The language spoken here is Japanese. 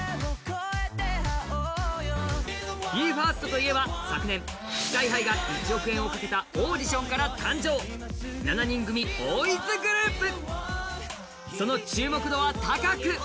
ＢＥ：ＦＩＲＳＴといえば昨年ＳＫＹ−ＨＩが１億円をかけたオーディションから誕生７人組ボーイズグループ。